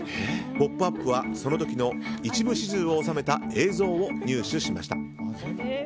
「ポップＵＰ！」はその時の一部始終を収めた映像を入手しました。